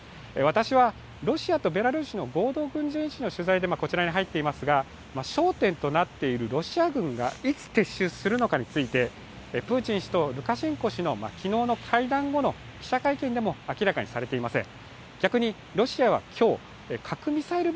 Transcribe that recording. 私はロシアとベラルーシの合同軍事演習の取材でこちらに入ってますが、焦点となっているロシア軍がいつ撤収するのかについてプーチン氏とルカシェンコ氏の昨日の会談後の記者会見でも明らかにされています。